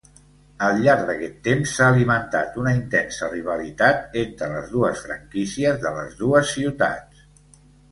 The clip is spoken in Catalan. Al llarg d'aquest temps, s'ha alimentat una intensa rivalitat entre les dues franquícies de les dues ciutats.